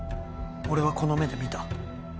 俺はこの目で見た。